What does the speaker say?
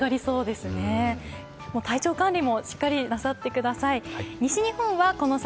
体調管理もしっかりなさってください。